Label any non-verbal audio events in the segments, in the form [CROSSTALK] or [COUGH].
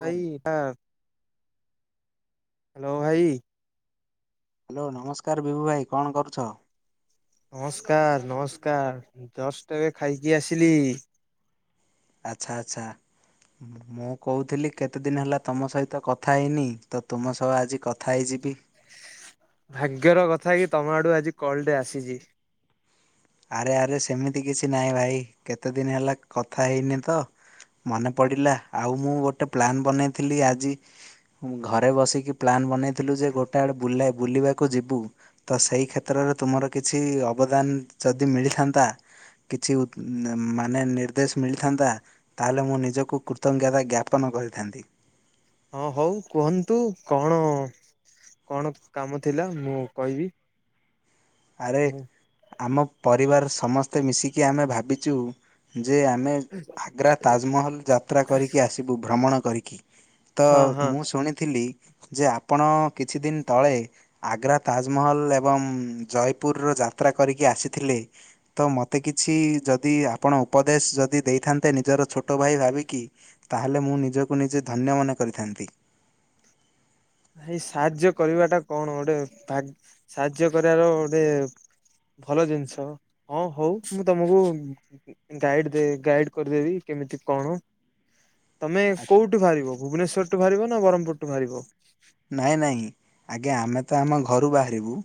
Hello ଆ? Hello ଭାଇ। Hello ନମସ୍କାର ବିିବୁ ଭାଇ କଣ କରୁଛ। ନମସ୍କାର ନମସ୍କାର ଜଷ୍ଟ ଟ ଏବେ ଖାଇକି ଆସିଲି। ଆଚ୍ଛା ଆଚ୍ଛା। ମୁଁ କହୁଥିଲି କେତେ ଦିନ ହେଲା ତମ ସହିତ କଥା ହେଇନି ତ ତୁମ ସହ ଆଜି କଥା ହେଇଯିବି। ଭାଗ୍ୟର କଥା କି ତମ ଆଡୁ ଆଜି କଲଟେ ଆସିଛି। ଆରେ ଆରେ ସେମିତି କିଛି ନାହିଁ ଭାଇ କେତେ ଦିନ ହେଲା କଥା ହେଇନି ତ। ମନେ ପଡ଼ିଲା ଆଉ ମୁଁ ଗୋଟେ ପ୍ଲାନ୍ ବନେଇଥିଲି ଆଜି। ମୁଁ ଘରେ ବସିକି ପ୍ଲାନ୍ ବନେଇଥିଲୁ ଯେ ଗୋଟାଏଡେ ବୁଲାଏ ବୁଲିବାକୁ ଯିବୁ। ତ ସେଇ କ୍ଷେତ୍ରରେ ତୁମର କିଛି ଅବଦାନ ଯଦି ମିଳିଥାନ୍ତା। କିଛି [INAUDIBLE] ମାନେ ନିର୍ଦ୍ଦେଶ ମିଳିଥାନ୍ତା ତାହେଲେ ମୁଁ ନିଜକୁ କୃତଜ୍ଞତା ଜ୍ଞାପନ କରିଥାନ୍ତି। ହଁ ହଉ କୁହନ୍ତୁ କଣ। କଣ କାମ ଥିଲା ମୁଁ କହିବି। ଆରେ ମୁଁ ଆମ ପରିବାର ସମସ୍ତେ ମିଶିକି ଆମେ ଭାବିଛୁ ଯେ ଆମେ? ଆଗ୍ରା ତାଜମହଲ ଯାତ୍ରା କରିକି ଆସିବୁ ଭ୍ରମଣ କରିକି। ତ ହଁ ହଁ ମୁଁ ଶୁଣିଥିଲି। ଯେ ଆପଣ କିଛି ଦିନ ତଳେ ଆଗ୍ରା ତାଜମହଲ ଏବଂ? ଜୟପୁରର ଯାତ୍ରା କରିକି ଆସିଥିଲି। ତ ମୋତେ କିଛି ଯଦି ଆପଣ ଉପଦେଶ ଯଦି ଦେଇଥାନ୍ତେ ନିଜର ଛୋଟ ଭାଇ ଭାବିକି? ତାହେଲେ ମୁଁ ନିଜକୁ ନିଜେ ଧନ୍ୟ ମନେ କରିଥାନ୍ତି। ଭାଇ ସାହାଯ୍ୟ କରିବାଟା କଣ ଗୋଟେ ଭାଗ ସାହାଯ୍ୟ କରିବାର ଗୋଟେ। ଭଲ ଜିନିଷ ହଁ ହଉ ମୁଁ ତମକୁ ଗାଇଡ ଦେ ଗାଇଡ କରିଦେବି କେମିତି କଣ। ତମେ ଆ- କୋଉଠୁ ବାହାରିବ ଭୁବନେଶ୍ଵରଠୁ ବାହାରିବ ନା ବ୍ରହ୍ମପୁରଠୁ ବାହାରିବ। ନାଇଁ ନାଇଁ ଆଜ୍ଞା ଆମେ ତ ଆମ ଘରୁ ବାହାରିବୁ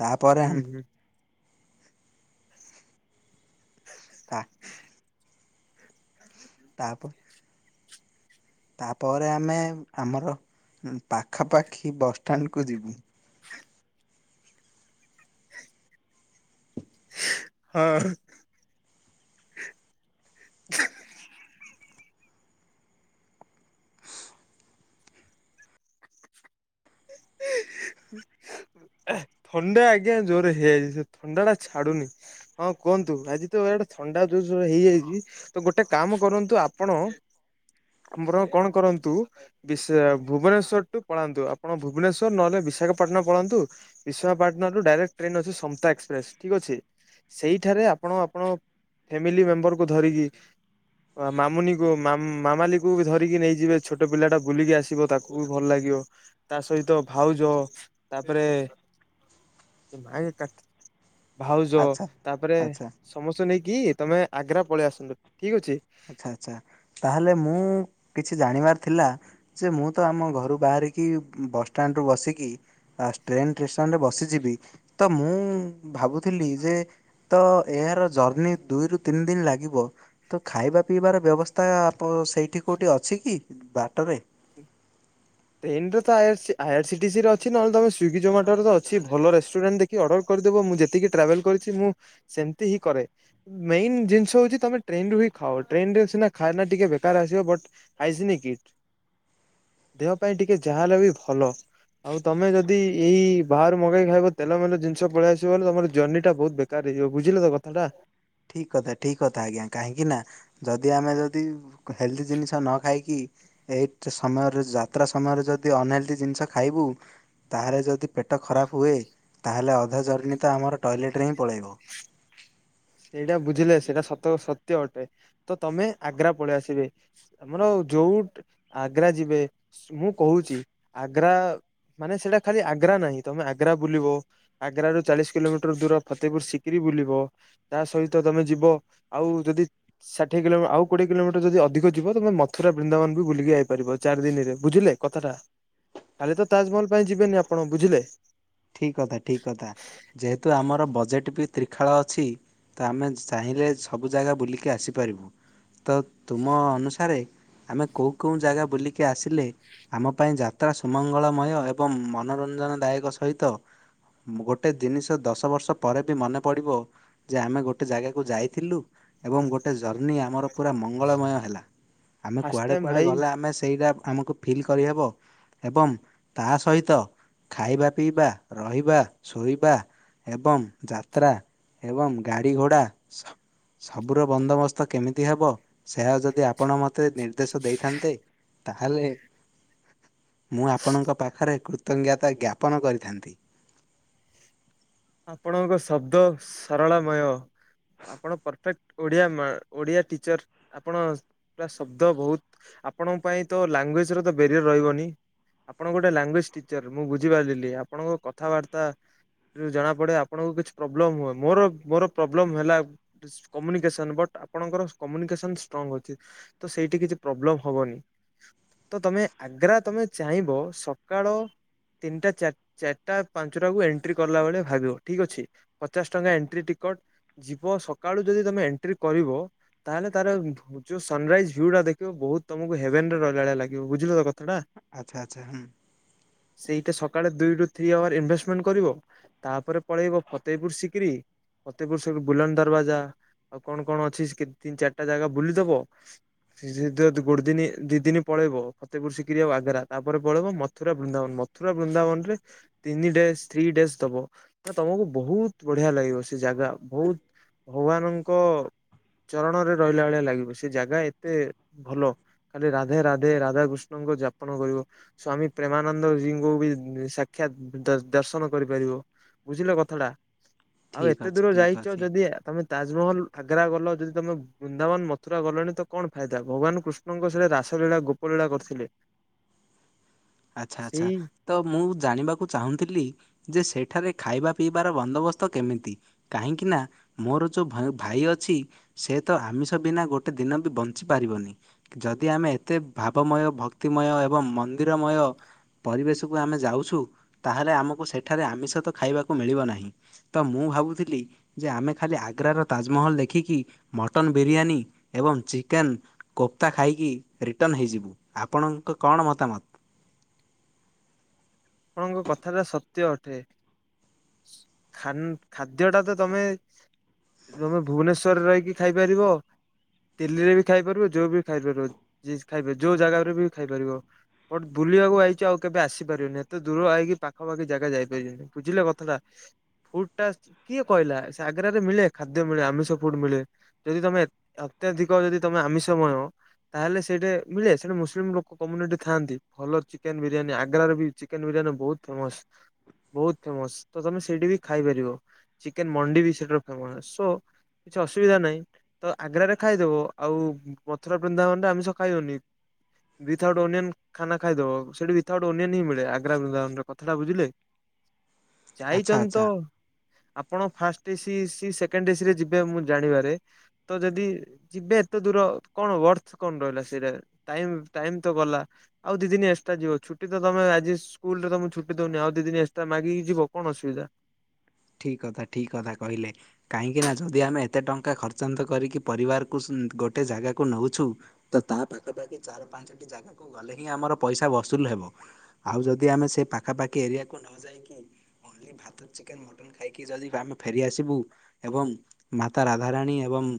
ତାପରେ ହୁଁ ଆମ ହୁଁ। ହ [INAUDIBLE] ଆ ତାପ ତାପରେ ଆମେ ଆମର ପାଖାପାଖି ବସ୍ ଷ୍ଟାଣ୍ଡକୁ ଯିବୁ। ହୁଁ ହଁ। ହ ଥଣ୍ଡା ଆଜ୍ଞା ଜୋରେ ହେଇଯାଇଛି ସେ ଥଣ୍ଡା ଟା ଛାଡୁନି। ହଁ କୁହନ୍ତୁ ଆଜି ତ ଏଇଆଡେ ଥଣ୍ଡା ଜୋ ହେଇଯାଇଛି। ତ ଗୋଟେ କାମ କରନ୍ତୁ ଆପଣ। ଆମର କଣ କରନ୍ତୁ ବି ଭୁବନେଶ୍ଵର ଟୁ ପଳାନ୍ତୁ ଆପଣ। ଭୁବନେଶ୍ୱର ନହେଲେ ବିଶାଖାପାଟଣା ପଳନ୍ତୁ। ବିଶାପାଟଣା ରୁ ଡାଇରେକ୍ଟ ଟ୍ରେନ୍ ଅଛି ସମ୍ନ୍ତା ଏକ୍ସପ୍ରେସ, ଠିକ ଅଛି? ସେଇଠାରେ ଆପଣ ଆପଣ ଫ୍ୟାମିଲି ମେମ୍ବରକୁ ଧରିକି। ମାମୁନିକୁ ମାମାଲିକୁ ଧରିକି ନେଇଯିବେ ଛୋଟ ପିଲା ଟା ବୁଲିକି ଆସିବ ତାକୁ। ଭଲ ଲାଗିବ। ତା ସହିତ ଭାଉଜ ତାପରେ ମା କା ଭାଉଜ ଆଚ୍ଛା। ତାପରେ ଆଚ୍ଛା ସମସ୍ତେ ନେଇକି ତମେ ଆଗ୍ରା ପଳେଇ ଆସନ୍ତ ଠିକ ଅଛି। ଆଛା ଆଚ୍ଛା ତାହେଲେ ମୁଁ କିଛି ଜାଣିବାର ଥିଲା। ଯେ ମୁଁ ତ ଆମ ଘରୁ ବାହାରିକି ବସଷ୍ଟାଣ୍ଡରୁୁ ବସିକି। ଆ ଟ୍ରେନ ଷ୍ଟ୍ରେସନରେ ବସିଯିବି ତ ମୁଁ ଭାବୁ ଥିଲି ଯେ ତ ଏହାର ଜର୍ଣିି ଦୁଇରୁ ତିନି ଦିନ ଲାଗିବ। ତ ଖାଇବା ପିଇବାର ବ୍ୟବସ୍ଥା ଆପ ସେଇଠି କେଉଁଠି ଅଛି କି ବାଟରେ। ଟ୍ରେନରେ ତ ଆ ଆଇସି ଆଇରସିିଟିସି ର ଅଛି ନହେଲେମ ସ୍ଵିଗି ଜୋମାଟୋ ତ ଅଛି ଭଲ ରେଷ୍ଟୁରାଣ୍ଟ ଦେଖ୍। କି ଅର୍ଡର କରିଦେବ ମୁଁ ଯେତିକି ଟ୍ରାଭେଲ କରିଛି ମୁଁ ସେମିତି ହିଁ କରେ। ମେନ୍ ଜିନିଷ ହଉଛି ତମେ ଟ୍ରେନ ରୁ ହିଁ ଖାଅ ଟ୍ରେନ ରେ ସିନା ଖାଇନା ଟିକେ ବେକାର ଆସିବ ବଟ୍। ଆାଇସି ନିକିଟ୍। ଦେହ ପାଇଁ ଟିକେ ଯାହା ହେଲେ ବି ଭଲ। ଆଉ ତମେ ଯଦି ଏଇ ବାହାରୁ ମଗେଇ ଖାଇବ ତେଲ ମେଲ ଜିନିଷ ପଳେଇଆସିବ ଗଲେ ତମର ଯୌର୍ନୀ ଟା ବହୁତ ବେ କାର ହେଇଯିବ ବୁଝିଲ ତ କଥାଟା। ଠିକ କଥା ଠିକ କଥା ଆଜ୍ଞା କାହିଁକି ନା। ଯଦି ଆମେ ଯଦି ହେଲ୍ଦି ଜିନିଷ ନ ଖାଇକି। ଏଇ ସମୟରେ ଯାତ୍ରା ସମୟରେ ଯଦି ଅନହେଲ୍ଦି ଜିନିଷ ଖାଇବୁ ତାହେଲେ ଯଦି। ପେଟ ଖରାପ ହୁଏ ତା ହେଲେ ଅଧା ଜର୍ନୀ ତ ଆମର ଟଏଲେଟରେ ହିଁ ପଳାଇବ। ସେଇଟା ବୁଝିଲେ ସେଇଟା ସତ ସତ୍ୟ ଅଟେ ତ ତମେ ଆଗ୍ରା ପଳେଇ ଆସିବେ। ଆମର ଯଉଠ ଆଗ୍ରା ଯିବେ ମୁଁ କହୁଛି ଆଗ୍ରା। ମାନେ ସେଇଟା ଖାଲି ଆଗ୍ରା ନାହିଁ ତମେ ଆଗ୍ରା ବୁଲିବ। ଆଗ୍ର ରୁ ଚାଳିଶ କିଲୋମିଟର ଦୂର ଫତେହିପୁର ସିକିରି ବୁଲିବ। ତା ସହିତ ତମେ ଯିବ ଆଉ ଯଦି। ଷାଠିଏ କିଲୋମି ଆଉ କୋଡ଼ିଏ କିଲୋମିଟର ଯଦି ଅଧିକ ଯିବ ତମେ ମଥୁରା ବୃନ୍ଦାବନ ବି ବୁଲିକି ଯାଇପାରିବ ଚାରି ଦିନରେ ବୁଝିଲେ? କଥାଟା ଖାଲି ତ ତାଜମହଲ ପାଇଁ ଯିବେନି ଆପଣ ବୁଝିଲେ ଠିକ କଥା ଠିକ କଥା ଯେହେତୁ ଆମର ବଜେଟ୍ ବି ତ୍ରିଖାଳ ଅଛି ତ ଆମେ ଚାହିଁଲେ ସବୁ ଜାଗା ବୁଲିକି ଆସିପାରିବୁ ତ ତୁମ ଅନୁସାରେ ଆମେ କେଉଁ କେଉଁ ଜାଗା ବୁଲିକି ଆସିଲେ ଆମ ପାଇଁ ଯାତ୍ରା ସୁମଙ୍ଗଳମୟ ଏବଂ ମନୋରଞ୍ଜନଦାୟକ ସହିତ ତ ଗୋଟେ ଜିନିଷ ଦଶ ବର୍ଷ ପରେ ବି ମନେ ପଡିବ ଯେ ଆମେ ଗୋଟେ ଜାଗାକୁ ଯାଇଥିଲୁ ଏବଂ ଗୋଟେ ଜର୍ଣି ଆମର ପୁରା ମଙ୍ଗଳମୟ ହେଲା। ଆମେ ଫାଷ୍ଟ କୁଆଡ଼େ ଟାଇମ କୁଆଡେ ଭାଇ ଗଲେ ଆମେ ସେଇଟା ଆମକୁ ଫିଲ୍ କରିହେବ ଏବଂ ତା ସହିତ ଖାଇବା ପିଇବା ରହିବା ଶୋଇବା ଏବଂ ଯାତ୍ରା ଏବଂ ଗାଡ଼ି ଘୋଡ଼ା ସବୁର ବନ୍ଦୋବସ୍ତ କେମିତି ହେବ ସେ ଯଦି ଆପଣ ମୋତେ ନିର୍ଦ୍ଦେଶ ଦେଇଥାନ୍ତେ ତାହେଲେ ମୁଁ ଆପଣଙ୍କ ପାଖରେ କୃତଜ୍ଞତା ଜ୍ଞାପନ କରିଥାନ୍ତି। ଆପଣଙ୍କ ଶବ୍ଦ ସରଳମୟ ଆପଣ ପରଫେକ୍ଟ ଓଡିଆ ମା ଓଡିଆ ଟିଚର ଆପଣ ପୁରା ଶବ୍ଦ ବହୁତ ଆପଣଙ୍କ ପାଇଁ ତ ଲାଙ୍ଗୁଏଜ ର ତ ବ୍ୟାରିୟର ରହିବନି ଆପଣଙ୍କ ଗୋଟେ ଲାଙ୍ଗୁଏଜ ଟିଚର ମୁଁ ବୁଝିପାରିଲି ଆପଣଙ୍କ କଥାବାର୍ତ୍ତା ଜଣା ପଡେ ଆପଣଙ୍କୁ କିଛି ପ୍ରୋବ୍ଲେଲ ହୁ ମୋର ମୋର ପ୍ରୋବ୍ଲେ ହେଲା କମ୍ୟୁନିକେସନ ବଟ୍ ଆପଣଙ୍କର କମ୍ୟୁନିକେସନ ଷ୍ଟ୍ରଙ୍ଗ ଅଛି ତ ସେଇଠି କିଛି ପ୍ରୋବ୍ଲେମ ହବନି ତ ତମେ ଆଗ୍ରା ତମେ ଚାହିଁବ ସକାଳ ତିନିଟା ଚା ଚାରିଟା ପାଞ୍ଚଟା କୁ ଏଣ୍ଟ୍ରି କଲା ଭଳିଆ ଭାବିବ ଠିକ ଅଛି ପଚାଶ ଟଙ୍କା ଏଣ୍ଟ୍ରି ଟିକଟ ଯିବ ସକାଳୁ ଯଦି ତମେ ଏଣ୍ଟ୍ରି କରିବ ତାହେଲେ ତାର ଯୋଉ ସନରାଇଜ୍ ଭ୍ୟୁ ଟା ଦେଖିବ ବହୁତ ତମକୁ ହେଭନ ର ଲଳି ଲାଗିବ ବୁଝିଲ ତ କଥାଟା ଆଚ୍ଛା ଆଚ୍ଛା ହଁ। ସେଇଟା ସକାଳେ ଦୁଇ ରୁ ଥ୍ରୀ ଆୱାର ଇନଭେଷ୍ଟମେଣ୍ଟ କରିବ ତାପରେ ପଳେଇବ ଫତେହପୁର ସିକିରି ଫତେହପୁର ସ ବୁଲନ ଦରବାଜା ଆଉ କଣ କଣ ଅଛି କେ ତିନି ଚାରିଟା ଜାଗା ବୁଲିଦବ ଗୋଡ ଦିନ ଦି ଦିନ ପଳେଇବ ଫତେପୁର ଶିକିରି ଆଉ ଆଗ୍ରା ତାପରେ ପଳେଇବ ମଥୁରା ବୃନ୍ଦାବନ ମଥୁରା ବୃନ୍ଦାବନ ରେ ତିନି ଡେଜ ଥ୍ରୀ ଡେଜ ଦବ ତମକୁ ବହୁତ ବଢିଆ ଲାଗିବ ସେ ଜାଗା ବହୁତ ଭଗବାନଙ୍କ ଚରଣରେ ରହିଲା ଭଳିଆ ଲାଗିବ ସେ ଜାଗା ଏତେ ଭଲ ଖାଲି ରାଧେ ରାଧେ ରାଧାକୃଷ୍ଣଙ୍କ ଯାପନ କରିବ ସ୍ଵାମୀ ପ୍ରେମାନନ୍ଦ ଜୀଙ୍କୁ ବି ସାକ୍ଷାତ ଦର୍ଶନ କର ପାରିବ ବୁଝିଲ କଥାଟା ଆଉ ଠିକ୍ ଏତେ ଅଛି ଦୂର ଠିକ୍ ଯାଇଛ ଅଛି ଯଦି ତମେ ତାଜମହଲ ଆଗ୍ରା ଗଲ ଯଦି ତମେ ବୃନ୍ଦାବନ ମଥୁରା ଗଲଣି ତ କଣ ଫାଇଦା ଭଗବାନ କୃଷ୍ଣ ଆପଣଙ୍କ ସରେ ରାସଲୀଳା ଗୋପଲୀଳା କରିଥିଲେ ଆଚ୍ଛା ଆଚ୍ଛା। ସେଇ ତ ମୁଁ ଜାଣିବାକୁ ଚାହୁଁଥିଲି ଯେ ସେଠାରେ ଖାଇବା ପିଇବାର ବନ୍ଦୋବସ୍ତ କେମିତି କାହିଁକି ନା ମୋର ଯୋଉ ଭାଇ ଅଛି ସେ ତ ଆମିଷ ବିନା ଗୋଟେ ଦିନ ବି ବଞ୍ଚି ପାରିବନି ଯଦି ଆମେ ଏତେ ଭାବମୟ ଭକ୍ତିମୟ ଏବଂ ମନ୍ଦିରମୟ ପରିବେଶକୁ ଆମେ ଯାଉଛୁ ତାହେଲେ ଆମକୁ ସେଠାରେ ଆମିଷ ତ ଖାଇବାକୁ ମିଳିବ ନାହିଁ ତ ମୁଁ ଭାବୁଥିଲି ଯେ ଆମେ ଖାଲି ଆଗ୍ରାର ତାଜମହଲ ଦେଖିକି ମଟନ ବିରିୟାନୀ ଏବଂ ଚିକେନ କୋପ୍ତା ଖାଇକି ରିଟର୍ଣ୍ଣ ହେଇଯିବୁ। ଆପଣଙ୍କ କଣ ମତାମତ ଆପଣଙ୍କ କଥାଟା ସତ୍ୟ ଅଟେ। ଖାଲି ଖାଦ୍ୟ ଟା ତ ତମେ ତମେ ଭୁବନେଶ୍ୱରରେ ରହିକି ଖାଇପାରିବ। ଦିଲ୍ଲୀରେ ବି ଖାଇପାରିବ ଯୋଉ ବି ଖାଇପାରିବ, ଖାଇପାର ଯୋଉ ଜାଗାରୁ ବି ଖାଇପାରିବ। ବଟ ବୁଲିବାକୁ ଆଇଛ। ଆଉ କେବେ ଆସି ପାରିବନି ଏତେ ଦୂର ଆଇକି ପାଖାପାଖି ଜାଗା ଯାଇପାର ବ ବୁଝିଲେ କଥାଟା ଫୁଡ ଟା କିଏ କହିଲା ସେ ଆଗ୍ରରେ ମିଳେ ଖାଦ୍ୟ ମିଳେ ଆମିଷ ଫୁଡ ମିଳେ ଯଦି ତମେ ଅତ୍ୟଧିକ ଯଦି ତମେ ଆମିଷମୟ ତାହେଲେ ସେଇଟା ମିଳେ ସେଇଠା ମୁସଲିମ ଲୋକ କମ୍ୟୁନିଟି ଥାଆନ୍ତି। ଭଲ ଚିକେନ ବିରିୟାନୀ ଆଗ୍ରାରେ ବି ଚିକେନ ବିରିୟାନୀ ବହୁତ ଫେମସ। ବହୁତ ଫେମସ ତ ତମେ ସେଇଠି ବି ଖାଇପାରିବ। ଚିକେନ ମଣ୍ଡି ବି ସେଠାରୁ ଫେମସ ସୋ କିଛି ଅସୁବିଧା ନାହିଁ। ତ ଆଗ୍ରାରେ ଖାଇଦବ, ଆଉ ମଥୁର, ବୃନ୍ଦାବନରେ ଆମିଷ ଖାଇବନି। ଦି ଥାଉଟ ଓନିୟନ ଖାନା ଖାଇଦବ। ସେଠି ଦି ଥାଉଟ ଓନିଅନ୍ ହିଁ ହୁଏ। ଆଗ୍ରା ବୁଲି କଥାଟା ବୁଝିଲେ ଆଚ୍ଛା ଯାଇଛନ୍ତି ଆଚ୍ଛା ତ ଆପଣ first AC C second AC ରେ ଯିବେ ମୁଁ ଜାଣିବାରେ ତ ଯଦି ଯିବେ ଏତେ ଦୂର କଣ ଅର୍ଥ କଣ ରହିଲା ସେଇଟା ଟାଇମ- ଟାଇମ ତ ଗଲା। ଆଉ ଦି ଦିନି ଏକ୍ସଟ୍ରା ଯିବ ଛୁଟି ତମେ ସ୍କୁଲରେ ତମେ ଛୁଟି ଦଉନି ଆଉ ଦି ଦିନି ଏସଟ୍ରା ମାଗିକିି ଯିବ କଣ ଅସୁବିଧା? ଠିକ କଥା, ଠିକ କଥା କହିଲେ। କାହିଁକି ନା ଯଦି ଆମେ ଏତେ ଟଙ୍କା ଖର୍ଚ୍ଚାନ୍ତ କରିକି ପରିବାରକୁ ଗୋଟେ ଜାଗାକୁ ନଉଛୁ। ତ ତାହା ପାଖା ପାଖି ଚାରି ପାଞ୍ଚଟି ଜାଗାକୁ ଗଲେ ହିଁ ଆମର ପଇସା ବସୁଲ ହେବ। ଆଉ ଯଦି ଆମେ ସେ ପାଖାପାଖି ଏରିଆକୁ ନ ଯାଇକି ପୁରୀ, ଭାତ, ଚିକେନ ଖାଇକି ଯଦି ଆମେ ଫେରିଆସିବୁ। ଏବଂ ମାତା ରାଧାରାଣୀ ଏବଂ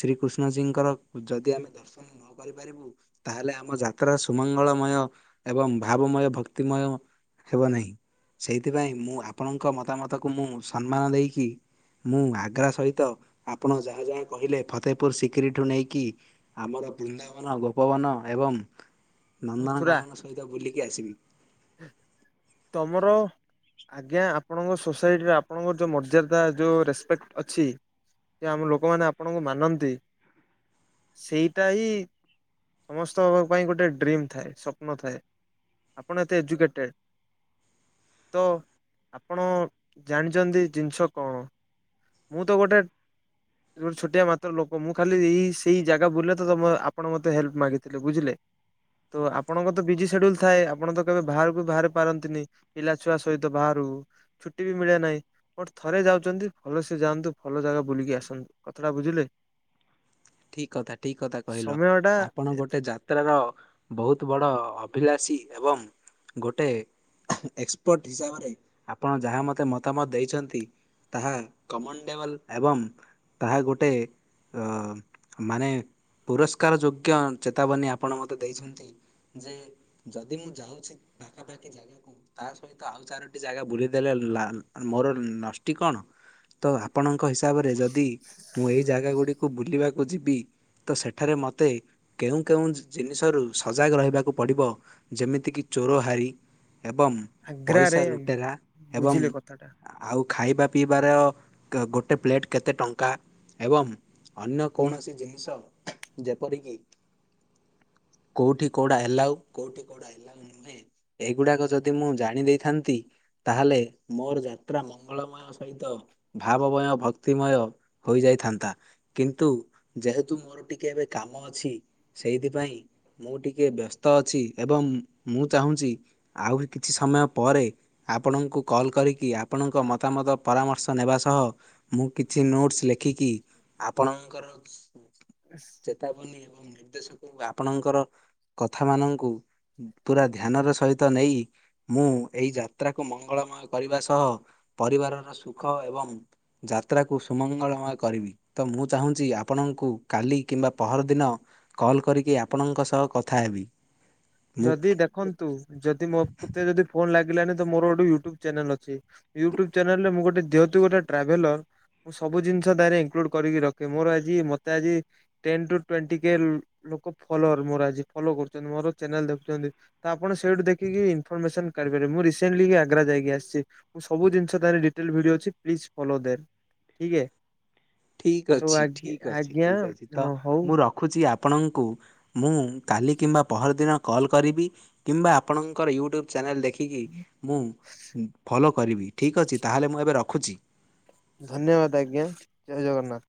ଶ୍ରୀକୃଷ୍ଣଜୀଙ୍କର ଯଦି ଆମେ ଦର୍ଶନ ହୁମ କରିପାରିବୁ। ତାହେଲେ ଆମ ଯାତ୍ରା ସୁମଙ୍ଗଳମୟ ଏବଂ ଭାବମୟ, ଭକ୍ତିମୟ ହେବ ନାହିଁ। ସେଇଥିପାଇଁ ମୁଁ ଆପଣଙ୍କ ମତାମତକୁ ମୁଁ ସମ୍ମାନ ଦେଇକି ମୁଁ ଆଗ୍ରା ସହିତ ଆପଣ ଯାହା ଯାହା କହିଲେ ଫତେହପୁର ସିକ୍ରିଠୁ ନେଇକି ଆମର ବୃନ୍ଦାବନ, ଗୋପବନ ଏବଂ ମଥୁରା ନନ୍ଦନକାନନ ସହିତ ବୁଲିକି ଆସିବି। ତମର ଆଜ୍ଞା! ଆପଣଙ୍କ ସୋସାଇଟିରେ ଆପଣଙ୍କର ଯୋଉ ମର୍ଯ୍ୟାଦା, ଯୋଉ ରେସ୍ପେକ୍ଟ ଅଛି। ଯେ ଆମ ଲୋକମାନେ ଆପଣଙ୍କୁ ମାନନ୍ତି। ସେଇଟା ହିଁ ସମସ୍ତଙ୍କ ପାଇଁ ଗୋଟେ ଡ୍ରିମ୍ ଥାଏ। ସ୍ୱପ୍ନ ଥାଏ। ଆପଣ ଏତେ ଏଜୁକେଟେଡ ତ ଆପଣ ଜାଣିଛନ୍ତି ଜିନିଷ କଣ? ମୁଁ ତ ଗୋଟେ ମୁଁ ଛୋଟିଆ ମାତ୍ର ଲୋକ ମୁଁ ଖାଲି ଏଇ ସେଇ ଜାଗା ବୁଲେ ତ ଆପଣ ମତେ ହେଲ୍ପ ମାଗିଥିଲେ। ବୁଝିଲେ ତ ଆପଣଙ୍କ ତ ବିଜି ସେଡ୍ୟୁଲ ଥାଏ। ଆପଣ ଆପଣ ତ କେବେ ବାହାରକୁ ବି ବାହାରି ପାରନ୍ତିନି। ପିଲା ଛୁଆ ସହିତ ବାହାରକୁ ଛୁଟି ବି ମିଳେ ନାହିଁ। ଥରେ ଯାଉଛନ୍ତି। ଭଲ ସେ ଯାଆନ୍ତୁ। ଭଲ ଜାଗା ବୁଲିକି ଆସନ୍ତୁ। କଥାଟା ବୁଝିଲେ? ଠିକ କଥା, ଠିକ କଥା କହିଲ ସମୟ ଟା ଆପଣ ଏତେ ଗୋଟେ ଯା ଯାତ୍ର ର ବହୁତ ବଡ ଅଭିଳାଷୀ ଏବଂ। ଗୋଟେ ଏକ୍ସପର୍ଟ ହିସାବରେ ଆପଣ ଯାହା ମୋତେ ମତାମତ ଦେଇଛନ୍ତି। ତାହା କମନ ଡେଭଲ ଏବଂ ତାହା ଗୋଟେ ଅ। ମାନେ ପୁରସ୍କାର ଯୋଗ୍ୟ ଚେତାବନୀ ଆପଣ ମୋତେ ଦେଇଛନ୍ତି। ଯେ ଯଦି ମୁଁ ଯାଉଛି ପାଖାପା ଜାଗା କୁ ତା ସହିତ ଆଉ ଚାରୋଟି ଜାଗା ବୁଲିଦେଲେ ଲା ମୋର ନଷ୍ଟି କଣ? ତ ଆପଣଙ୍କ ହିସାବରେ ଯଦି ମୁଁ ଏହି ଜାଗା ଗୁଡ଼ିକୁ ବୁଲିବାକୁ ଯିବି। ତ ସେଠାରେ ମୋତେ। କେଉଁ କେଉଁ ଜି-ଜିନିଷରୁ ସଜାଗ ରହିବାକୁ ପଡିବ ଯେମିତି କି। ଚୋରହାରି ଏବଂ ଆଗ୍ରାରେ ପଇସା ଲୁଟେରା ଏବଂ। ବୁଝିଲେ କଥାଟା। ଆଉ ଖାଇବା ପିଇବାର କ ଗୋଟେ ପ୍ଲେଟ୍ କେତେ ଟଙ୍କା ଏବଂ ଅନ୍ୟ। କୌଣସି ଜିନିଷ ଯେପରିକି। କୋଉଠି କଉଟା ଏଲାଉ କୋଉଠି କଉଟା ଏଲାଉ ନୁହେ ଏଇଗୁଡାକ ଯଦି ମୁଁ ଜାଣି ଦେଇଥାନ୍ତି। ତାହେଲେ ମୋର ଯାତ୍ରା ମଙ୍ଗଳମୟ ସହିତ। ଭାବମୟ, ଭକ୍ତିମୟ ହୋଇଯାଇଥାନ୍ତା କିନ୍ତୁ। ଯେହେତୁ ମୋର ଟିକେ ଏବେ କାମ ଅଛି ସେଇଥିପାଇଁ। ମୁଁ ଟିକେ ବ୍ୟସ୍ତ ଅଛି ଏବଂ ମୁଁ ଚାହୁଁଛି ଆହୁରି କିଛି ସମୟ ପରେ। ଆପଣଙ୍କୁ କଲ୍ କରିକି ଆପଣଙ୍କ ମତାମତ ପରାମର୍ଶ ନେବା ସହ। ମୁଁ କିଛି ନୋଟସ୍ ଲେଖିକି ଆପଣଙ୍କର ବାସ। ଚେତାବନୀ ଏବଂ ନିର୍ଦ୍ଦେଶକକୁ ଆପଣଙ୍କର କଥା ମାନଙ୍କୁ। ପୁରା ଧ୍ୟାନ ର ସହିତ ନେଇ। ମୁଁ ଏଇ ଯାତ୍ରାକୁ ମଙ୍ଗଳମୟ କରିବା ସହ ପରିବାରର ସୁଖ ଏବଂ। ଯାତ୍ରାକୁ ସୁମଙ୍ଗଳମୟ କରିବି ତ ମୁଁ ଚାହୁଁଛି ଆ ପଣଙ୍କୁ କାଲି କିମ୍ବା ପହରଦିନ କଲ କରିକି ଆପଣଙ୍କ ସହ କଥା ହେବି। ମୁଁ ଯଦି ଦେଖନ୍ତୁ ଯଦି ମୋ କୁ ତେ ଯଦି ଫୋନ ଲାଗିଲାନି ତ ମୋର ଗୋଟେ ୟୁ ଟ୍ୟୁବ ଚ୍ୟାନେଲ ଅଛି। ୟୁ ଟ୍ୟୁବ ଚ୍ୟାନେଲରେ ମୁଁ ଗୋଟେ ଯେହେତୁ ଗୋଟେ ଟ୍ରାଭେଲର। ମୁଁ ସବୁ ଜିନିଷ ତାଇଁରେ ଇନକ୍ଲୁଡ କରିକି ରଖେ ମୋର ଆଜି ମତେ ଆଜି। ଟେନ ଟୁ ଟ୍ୱେଣ୍ଟି କେ ଲୋକ ଫଲୋୟର ମୋର ଆଜି ଫଲୋ କରୁଛନ୍ତି ମୋର। ଚ୍ୟାନେଲ ଦେଖୁଛନ୍ତି ତ ଆପଣ ସେଇଠୁ ଦେଖିକି ଇନଫର୍ମେସନ କାଢ଼ିପାରିବେ ମୁଁ ରିସେଣ୍ଟଲି ଆଗ୍ରା ଯାଇକି ଆସିଛି। ମୁଁ ସବୁ ଜିନିଷ ତାଇଁରେ ଡିଟେଲ ଭିଡିଓ ଅଛି। ପ୍ଲିଜ୍ ଫଲୋ ଦେୟାର ଠିକ ହେ। ଠିକ ସୋ ଅଛି। ଠିକ ଅଛି। ଆଜ୍ଞା ଠିକ ଅଛି। ତ ହଉ ମୁଁ ରଖୁଛି ଆପଣଙ୍କୁ। ମୁଁ କାଲି କିମ୍ବା ପହର ଦିନ କଲ୍ କରିବି କିମ୍ବା ଆପଣଙ୍କର ୟୁ ଟ୍ୟୁବ୍ ଚ୍ୟାନେଲ୍ ଦେ ଖିକି ମୁଁ ଉଁ ଫଲୋ କରିବି। ଠିକ୍ ଅଛି। ତାହେଲେ ମୁଁ ଏବେ ରଖୁଛି। ଧନ୍ୟବାଦ ଆଜ୍ଞା ଜୟ ଜଗନ୍ନାଥ।